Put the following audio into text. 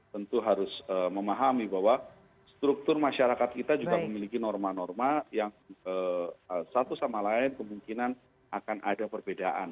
tentu harus memahami bahwa struktur masyarakat kita juga memiliki norma norma yang satu sama lain kemungkinan akan ada perbedaan